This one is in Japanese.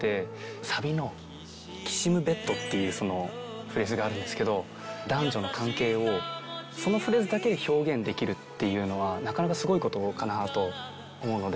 サビの「きしむベッド」っていうフレーズがあるんですけど男女の関係をそのフレーズだけで表現できるっていうのはなかなかすごい事かなと思うので。